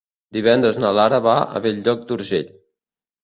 Divendres na Lara va a Bell-lloc d'Urgell.